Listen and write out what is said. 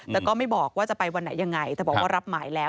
แต่ก็ไม่บอกว่าจะไปวันไหนยังไงแต่บอกว่ารับหมายแล้ว